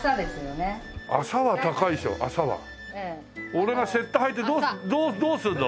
俺が雪駄履いてどうするの？